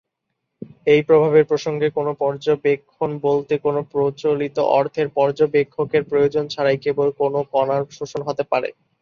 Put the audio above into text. এই প্রভাবের প্রসঙ্গে, কোনও পর্যবেক্ষণ বলতে কোনো প্রচলিত অর্থের পর্যবেক্ষকের প্রয়োজন ছাড়াই কেবল কোনও কণার শোষণ হতে পারে।